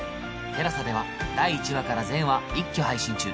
ＴＥＬＡＳＡ では第１話から全話一挙配信中